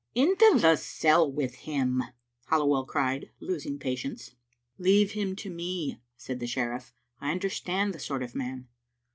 "Into the cell with him," Halliwell cried, losing patience. " Leave him to me," said the sheriff. " I understand the sort of man.